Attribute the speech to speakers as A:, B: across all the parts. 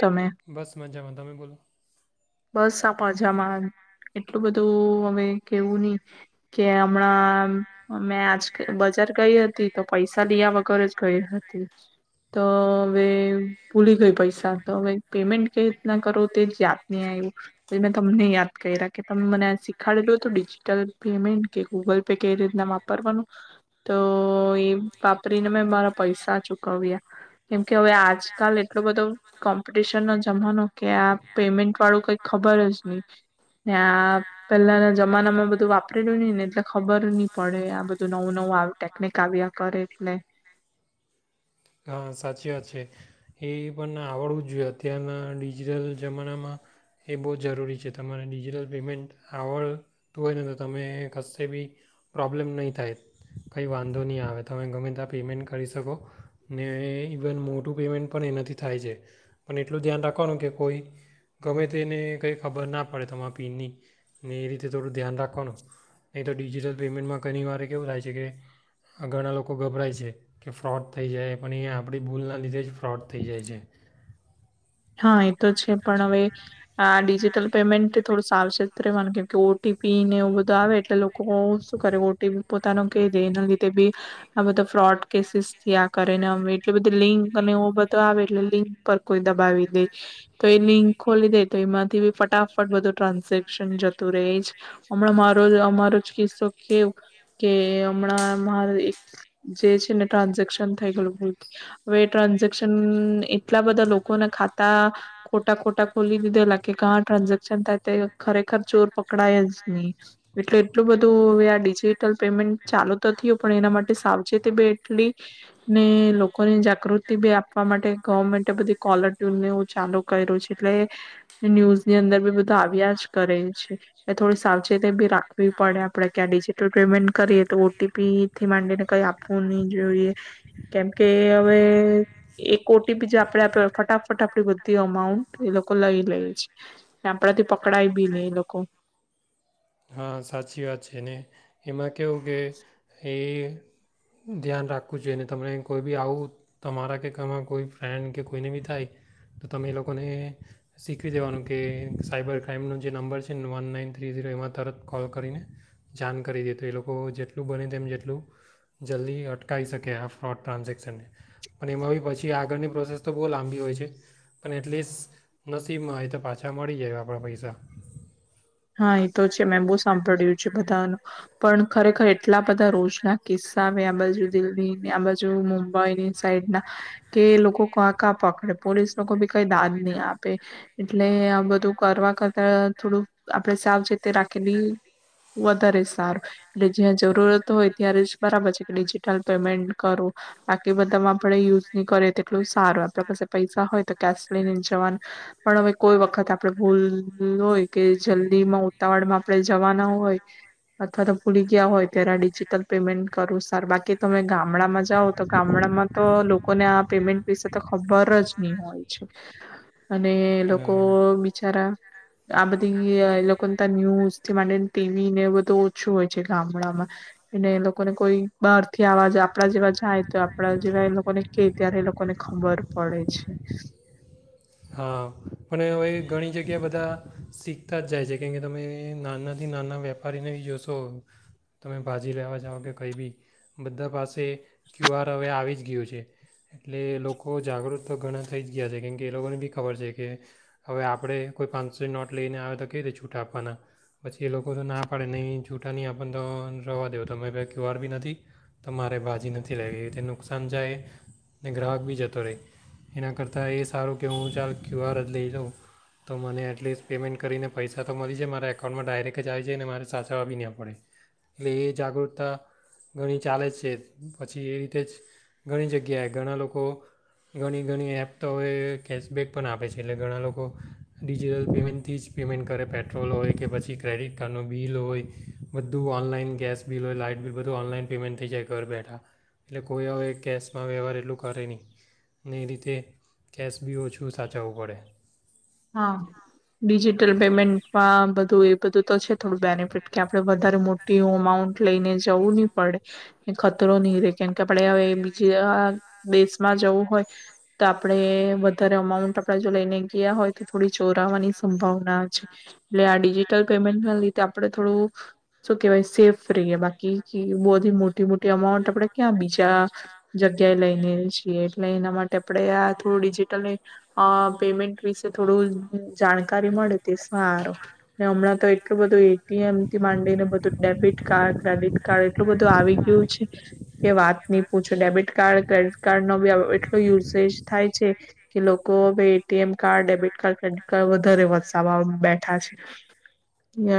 A: તમે
B: બસ મજામાં તમે બોલો?
A: બસ આ પાજામા. એટલું બધું અમે કેવું નહી, કે હમણાં અમે બજાર ગઈ હતી તો પૈસા લયા વગર જ ગઈ હતી. તો હવે પુલી ગહિ પૈસા તો ભાઈ પેમેન્ટ કે રતના કરો તે જ ને આયવુ મેં તમને યાદ ક્યા કે તમે મને શીખાડેલું ડિજિટલ પેમેન્ટ કે ગૂગલ પે કેઈ રીતના વાપરવાનું તો એ વાપરીને મેં મારા પૈસા ચુકવ્યા કેમકે હવે આજકાલ એટલો બધો કોમ્પિટિશનનો જમાનો કે આ પેમેન્ટ વાળું કઈ ખબર જ ની પહેલાના જમાનામાં બધું વાપરેલું નય ને એટલે ખબર નહી પડે આ બધું નવું નવું ટેકનિક આવ્યા કરે એટલે
B: હા સાચી વાત છે એ પણ આવડવું જ જોઈએ અત્યારના ડિજિટલ જમાનામાં એ બો જ જરૂરી છે તમારે ડિજિટલ પેમેન્ટ આવડતું હોય ને તો તમે કશે બી પ્રોબ્લેમ નહીં થાય કંઈ વાંધો નહીં આવે તમે ગમે ત્યાં પેમેન્ટ કરી શકો. ને ઇવન મોટું પેમેન્ટ પણ એનાથી થાય છે. પણ એટલું ધ્યાન રાખવાનું કે કોઈ ગમે તેને કંઈક ખબર ના પડે તમારા પિનની ને એ રીતે થોડું ધ્યાન રાખવાનું નહીં તો ડિજિટલ પેમેન્ટમાં ઘણીવાર કેવું થાય છે કે ઘણાં લોકો ગભરાય છે કે ફ્રોડ થઈ જાય પણ એ આપણી ભૂલના લીધે જ ફ્રોડ થઈ જાય છે.
A: હા એ તો છે પણ હવે આ ડિ જિટલ પેમેન્ટ થોડું સાવચેત રહેવાનું કેમ કે ઓટીપી ને એવું બધું આવે એટલે લોકો શું કરે ઓટીપી પોતાનો કે દે એના લીધે બી આ બધા ફ્રોડ કેસીસ થિયા કરે નેમે એટ બધી લિંક અને તો આવે એટલે લિંક પર કોઈ દબાવી તો એ લિંક ખોલી દે તો એમાંથી ફટાફટ બધું ટ્રાન્ઝેક્શન જતું ર જ હમણાં મારો અમારો જ કિસ્સો કેવ કે હમણાં મારે જે છે ને ટ્રાન્ઝેક્શન થઈ ગેલું ભૂલથી હવે ટ્રાન્જેક્શન એટલા બધા લોકોના ખા તા ખોટા ખોટા ખોલી દીધેલા કે કા ટ્રાન્ઝેક્શન થાય તે ખરેખર ચોર પકડાય જ નહી એટલે એટલું બધું હવે આ ડિજિટલ પેમેન્ટ ચાલુ તો થયું પણ એના માટે સાવચેતી બે એટલી ને લોકોની જાગૃતિ બી આપવા માટે ગવર્મેન્ટ બધી કોલર ટ્યૂન ને હું ચાલુ કર્યો છ એટલે ન્યૂઝ ની અંદર બી બધું આવ્યા જ કરે છે થોડી સાવચેતી બી રાખવી પડે આપડે ક્યાં ડિજિટલ પેમેન્ટ કરીએ તો ઓટીપી થી માંડીને કઈ આપવું ની જોઈએ. કેમકે હવે એક ઓટીપી બી જ આપડે ફટાફટ આપે તો બધી અમાઉન્ટ એ લોકો લઈ લે છે આપણાથી પકડાય બી ની એ લોકો
B: હા સાચી વાત છે ને એમાં કેવું કે એ ધ્યાન રાખ વુ જોઈને તમને કોઈ બી આવું તમારા કે કમાં કોઈ ફ્રેન્ડ કે કોઈને બી થાય તો તમે એ લોકોને શીખવી દેવાનું કે સાયબર ક્રાઈમનો જે નંબર છે વન નાઇન થ્રી ઝીરો એમાં તરત કોલ કરીને જાણ કરી દીએ તો એ લોકો જેટલું બને તેમ જેટલું જલ્દી અટ થાય શકે આ ફ્રોડ ટ્રાન્ઝેક્શનને પણ એમાં પછી આગળની પ્રોસેસ તો બહુ લાંબી હોય છે પણ એટલીસ્ટ નસીબમાં હોય તો પાછા મળી જાય આપણા પૈસા.
A: હા એ તો છે મેં બો સાંભળ્યું છે બધા નું પણ ખરેખર એટલા બધા રોજ ના કિસ્સા આવે આ બાજુ દિલ્હીને આ બાજુ મુંબઈની સાઈડ ના કે લોકો ક કા પકડે પોલીસ લોકો બી કઈ દાદ નહી આપે એટલે આ બધું કરવા કરતા થોડું આપણે સાવચેતી રાખેલી વધારે સારું એટલે જ્યાં જરૂરત હોય ત્યારે જ બરાબર છે કે ડિજિટલ પેમેન્ટ કરો બાકી બધામાં આપણે યુઝ નહી કરીએ તેટલું સારું આપણે પાસે પૈસા હોય તો કેશ લઈ ને જવાનું પણ હવે કોઈ વખત આપડે ભૂલ હોય કે જલ્દી માં ઉતાવળમાં આપણે જવાના હોય અથવા તો ભૂલી ગયા હોય ત્યારે ડિજિટલ પેમેન્ટ કરું સાર બાકી તમે ગામડામાં જાવ તો ગામડામાં તો લોકોને પેમેન્ટ વિશે તો ખબર જ નહી હોય છે. અને
B: ને
A: લોકો બિચારા આ બધી એ લોકો નેતા ન્યૂઝથી માંડીને ટીવી ને બધું ઓછું હોય છે ગામડામાં, અને એ લોકોને કોઈ બહારથી આવાજ આપડા જેવા જાય તો આપડા જેવા એ લોકોને કે ત્યારે એ લોકોને ખબર પડે છે.
B: હા. મ હવે ઘણી જગ્યા બધા, શીખતા જ જાય છે કેમ કે તમે એ નાનાથી નાના વેપારીને બી જોશો તમે ભાજી લેવા જાઓ, કે કંઈ બી, બધા પાસે ક્યુઆર હવે આવી જ ગયું છે. એટલે લોકો જાગૃત તો ઘણા થઈ ગયા છે કેમ કે એ લોકોને બી ખબર છે કે, હવે આપણે કોઈ પાંચસો નોટ લઈને આવે તો કઈ રીતે છૂટા આપવાના, પછી એ લોકો તો ના પાડે નહીં છૂટા નહીં આપવાને તો રવા દેવ તમે રી નથી, તમારે બાજી નથી લેવી. તે નુકસાન જાય, અને ગ્રાહક બી જતો રહે, એના કરતા એ સારું કે હું ચાલ ક્યુઆર જ લઈ લઉં, તો મને એટલીસ્ટ પેમેન્ટ કરીને પૈસા તો મળી જાય મારા એકાઉન્ટમાં ડાયરેક્ટ જ આવી જાય અનેને મારે સાચવવા બી ન પડે, એટલે એ જાગૃતતા, ઘણી ચાલે જ છે પછી એ રીતે જ, ઘણી જગ્યાએ ઘણા લોકો ઘણી ઘણી એપ તો હ કે કેશબેક પણ આપે છે એટલે ઘણા લોકો ડિજિટલ પેમેન્ટથી જ પેમેન્ટ કરે પેટ્રોલ હોય કે પછી ક્રેડિટ કાર્ડનું બિલ હોય, બધું ઓઑનલાઈન ગેસ બિલ હોય લાાઈટ બિલ બધું ઓઑનલાઈન પેમેન્ટ થઈ જાય ઘર બેઠા. એટલે કોઈ હવે કેસમાં વ્યવહાર એટલું કરે નહીં, અને એ રીતે કેશ બી ઓછું સાચવું પડે.
A: હા, ડિજિટલ પેમેન્ટમાં બધું એ બધું તો છે. થોડું બેનિફિટ કે આપડે વધારે મોટી અમાઉન્ટ લઈને જવું નહી પડે, ખતરો નહી રે કેમ કે આપણે હવે બીજા દેશમાં જવું હોય, તો આપડે વધારે અમાઉન્ટ આપણેે જો લઈને ગયા હોય થોડી ચોરાવાની સંભાવના છે, એટલે આ ડિજિટલ પેમેન્ટના લીધે આપડે થોડું, શું કેહેવાય સેફ રહીએ બાકી બહી મોટી મોટી અમાઉન્ટ આપણે ક્યાં બીજા, જગ્યાએ લઈને છીએ એટલે એના માટે આપણે આ થોડું ડિજિટલ, પેમેન્ટ વિ થોડું જાણકારી મળે તે સારો, ને હમણાં તો એટલું બધું એટીએમ થી માંડીને બધું ડેબિટ કાર્ડ ક્રેડિટ કાર્ડ એટલું બધું આવી ગયું છે, કે વાત નહી પૂછો ડેબિટ કાર્ડ ક્રેડિટ કાર્ડ ન બી એટલો યુસેજ થાય છે, કે લોકો હવે A T M card debit card credit card વધારે વસાવા બેઠા છે,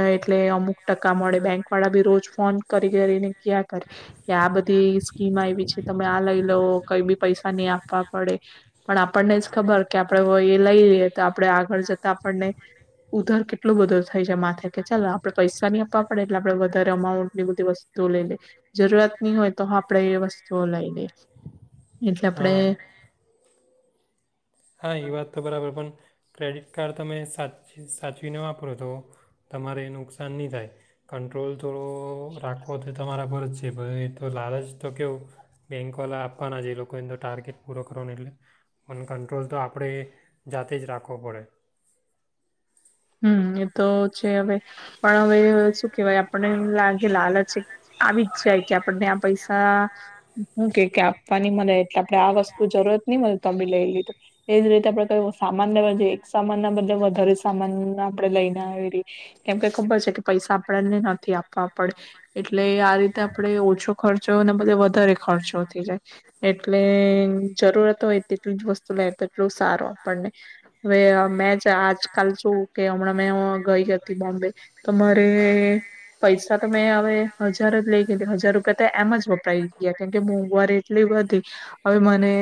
A: એટલે અમુક ટકા મળે બેંક વાળા બી રોજ ફોન કરી કરીને ક્યાં કરે, કે આ બધી સ્કીમ આવી છે તમે આ લઈ લવ કઈ બી પૈસા નહી આપવા પડે, પણ આપણને જ ખબર કે આપડે લઈ લઈએ તો આપડણે આગળ જતા આપણને, ઉધાર કેટલો બધો થઈ જ માથે કે ચાલ આપડણે પૈસા નહી આપવા પડે, એટલે આપડે વધારે અમાઉન્ટ ની બધી વસ્તુઓ લઈ લઈએ જરૂરિયાત નની હોય તો આપણેે એ વસ્તુઓ લઈ લઈએ, એટલે
B: હા
A: આપણેે
B: હા એ વાત તો બરાબર પણ ક્રેડિટ કાર્ડ તમે સાચ સાચવીને વાપરો તો, તમારે નુકસાન નહીં થાય, કંટ્રોલ થોડો રાખો તો તમારા પર તો લાલ જ તો કેવું, બેંક વાલા આપવાના છે એ લોકો ટાર્ગેટ પૂરો કરવાનો એટલે કટ્રોલ તો આપણે, જાતે જ રાખવો પડે.
A: હમ એ તો છે હવે, પણ હવે શું કેહેવાય આપને લાગે લાલચ આવી જ જાય કે આપણને આ પૈસા, શું કે કે આપવાની મળે એટલે આપે આ વસ્તુ જરૂરત નહી મળે ત બી લઈ લીધું, એજ રીતે આપડે ક સામાન ના બ એક સામાન ના બદલે વધારે સામાન આપે લઈને આવી ર, કેમ કે ખબર છે કે પૈસા આપણને નથી આપવા પડે, એટ એટલે આ રીતે આપડે ઓછો ખર્ચોને બધ વધારે ખર્ચો થઈ જાય, એટલે જરૂરત હોય તેટલ જ વસ્તુ લે તો એટલું સારો આપણને, હવે મે આજ કલ શું કે હમણાં મેં ગઈ હતી બોમ્બે, તો મારે પૈસા તો મેં હવે હજાર જ લઈ ગય હજાર રૂપિયા તો એમ જ વપરાય ગયા કેમકે મોંઘવારી એટલી વધી, હવે મને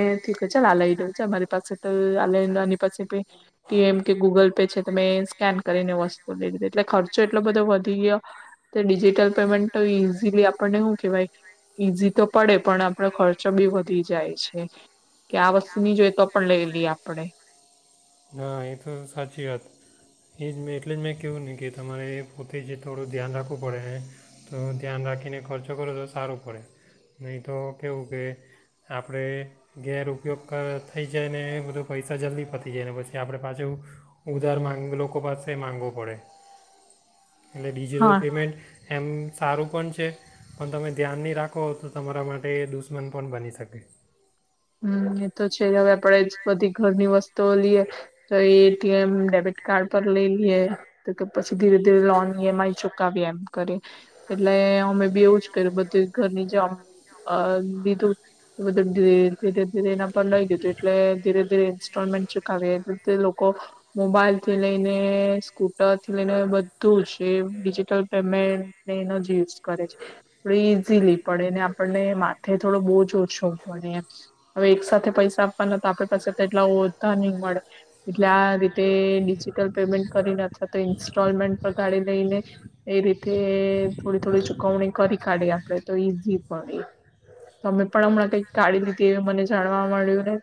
A: કે ચાલ આ લઈ દઉં છે મારી પાસે તો આ લઈને આની પાસે, પીએમ કે ગૂગલ પે છે તમે સ્કેન કરીને વસ્તુ લઈ લીધી એટલે ખર્ચો એટલો બધો વધી ગયો, ડિજિટલ પેમેન્ટ તો ઈઝીલી આપણને શું કેહેવાય, ઈઝી તો પડે પણ આપડો ખર્ચો બી વધી જાય છે, કે આ વસ્તુની જોએ તો પણ લઈ લઈએ આપણે.
B: ના એ તો સાચી વાત, એ જ મેં એટલે જ મેં કહેવું નહી કે તમારે પોતે જે થોડું ધ્યાન રાખવું પડે, તો ધ્યાન રાખીને ખર્ચો કરો તો સારો પડે, નહીં તો કેવું કે આપણે ગેર ઉપયોગ થઈ જાય ને એ બધો પૈસા જલ્દી પતા પછી આપણે પાછું ઉધાર લોકો પાસે મામાંગવો પડે. એટલે ડિજિટલ
A: હા
B: પેમેન્ટ એમ સારું પણ છે પણ તમે ધ્યાન નહીં રાખો તો તમારા માટે એ દુશ્મન પણ બની શકે
A: હમ એ તો છે હવે આપડે જ બધી ઘરની વસ્તુઓ લઈએ તો એટીએમ ડેબિટ કાર્ડ પર લઈ લઈએ તો કે પછી ધીરે ધીરે લોન ઈ એમ આઈ ચુકાવીએ એમ કરીએ એટલે અમે બી એવું જ કર્યું બધું ઘરની જે લીધું બધું ધીરે ધીરે એના પર લઈ દીધું એટલે ધીરે ધીરે ઇન્સ્ટોલમેન્ટ ચુકાવી એ લોકો મોબાઈલ થી લઈને, સ્કૂટર થી લઈને, બધું જ એ ડિજિટલ પેમેન્ટને એનો જ યુઝ કરે છે થ ઈઝીલી પડે આપણને માથે થોડો બહુ જ ઓછો પડે હવે એક સાથે પૈસા આપવાના તો આપે પાસેટલા ઓધા નહી મળે એટલે આ રીતે ડિજિટલ પેમેન્ટ કરીને અથવા તો ઇન્સ્ટોલમેન્ટ પર કાઢી લઈને એ રીતે થોડી થોડી ચુકવણી કરી કાઢી આપણે તો ઈઝી પણ તમે પણ હમણાં કઈક કાઢી લીધી તે મને જાણવા મળ્યું ને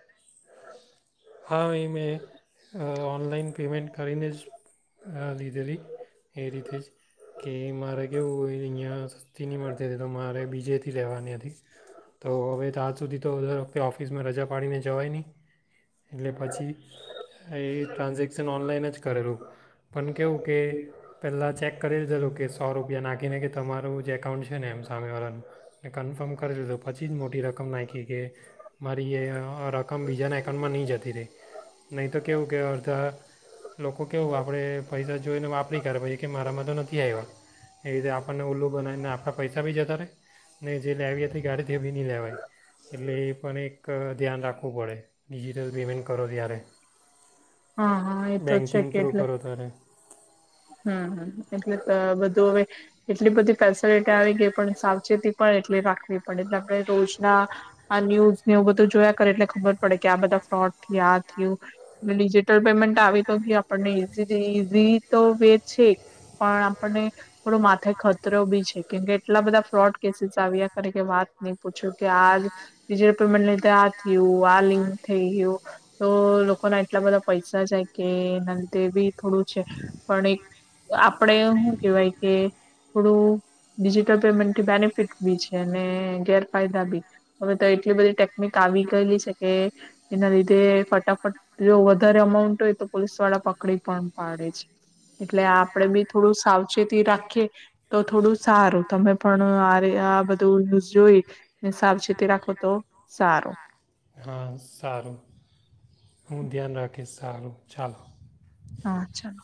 B: હા એ મે ઓનલાઈન પેમમેન્ટ કરીને જ લીધેલી એ રીતે જ કે મારે કેવું હોય અહીંયા સસ્તી નહીં મળતી હતી તો મારે બીજેથી લેવાની હતી તો હવે ત્યાં સુધી તો દર વખતે ઓફિસમાં રજા પાડીને જવાય નહીં એટલે પછી એ ટ્રાન્ઝેક્શન ઓનલાઈન જ કરેલું પણ કેવું કે પહેલાં ચેક કરી લીધેલું કે સો રૂપિયા નાખીને કે તમારું જે એકાઉન્ટ છે ને એમ સામેવાળાનું કન્ફર્મ કરી લીધું પછી જ મોટી રકમ નાખી કે મારી એ રકમ બીજાના એકાઉન્ટમાં નહીં જતી નથી ર નહીં તો કેવું કે અડધા લોકો કેવું આપણે પૈસા જોઈને વાપરી કર પછી કે મારામાં તો નથી આવ્યા એવી રીતે આપણને ઓલ્લું બનાવીને આપણા પૈસા બી જતા રહે ને જે લેવી હતી ગાડીથી બી નહીં લેવાય એટલે એ પણ એક ધ્યાન રાખવું પડે ડીજી પેમેન કરો ્યારે
A: હા હા એ તો છે કેટલે
B: તારે
A: હમ એટલે બધું હવે એટલી બધી ફેસિલિટી આવી ગઈ પણ સાવચેતી પણ એટલી રાખવી પડે એટલે આપણે રોજના આ ન્યૂઝ ને એવું બધું જોયા કરે એટલે ખબર પડે કે આ બધા ફ્રોડ આ થયું ડિજિટલ પેમેન્ટ આવી તો ગ આપણને ઈઝી થી ઈઝીન તો વે છે પણ આપણને થોડો માથે ખતરો બી છે કેમકે એટલા બધા ફ્રોડ કેસીસ આવ્યા કાર કે વાત નહી પૂછ્યું કે આ ડિજટલ પેમેન્ટ લીધે આ થયું આ લિંક થઈ ગયું તો લોકોના એટલા બધા પૈસા જાય કે એના લીધે બી થોડું છે પણ એક આપણેે શું કેહેવાય કે થોડું ડિજિટલ પેમેન્ટથી બેનિફિટ બી છે અને ગેરફાયદા બી, હવે તો એટલી બધી ટેકનિક આવી ગયેલી છે કે એના લીધે ફટાફટ જો વધારે અમાઉન્ટ હોય તો પોલીસ વાળા પકડી પણ પાડે છે. એટલે આપડે બી થોડું સાવચેતી રાખીએ તો થોડું સારું તમે પણ આ આ બધું ન્યૂઝ જોઈ સાવચેતી રાખો તો સારું
B: હા સારું હું ધ્યાન રાખીશ સાલું ચાલો
A: હા ચાલો